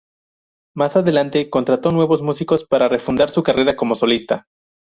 Más adelante contrató nuevos músicos para refundar su carrera como solista.